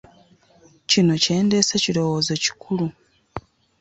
Kino kye ndeese kirowoozo kikulu.